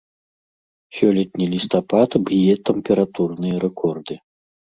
Сёлетні лістапад б'е тэмпературныя рэкорды.